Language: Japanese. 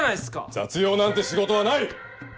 雑用なんて仕事はない！